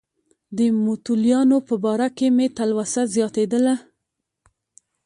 د متولیانو په باره کې مې تلوسه زیاتېدله.